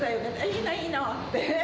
いいの、いいのって。